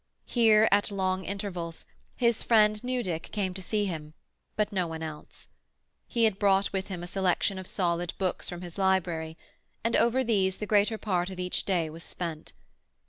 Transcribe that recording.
Here, at long intervals, his friend Newdick came to see him, but no one else. He had brought with him a selection of solid books from his library, and over these the greater part of each day was spent.